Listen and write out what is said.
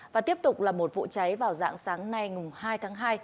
và tiếp tục là một vụ cháy vào dạng sáng nay hai tháng hai